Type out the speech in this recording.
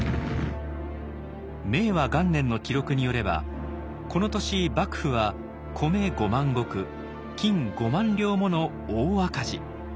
明和元年の記録によればこの年幕府は米５万石金５万両もの大赤字。